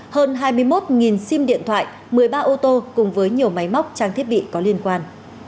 hơn hai mươi một sim điện thoại một mươi ba ô tô cùng với nhiều máy móc trang thiết bị có liên quan